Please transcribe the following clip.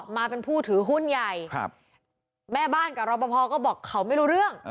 มาเป็นผู้ถือหุ้นใหญ่แม่บ้านกับรอปภก็บอกเขาไม่รู้เรื่อง